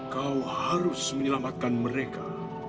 kau harus menyelamatkan mereka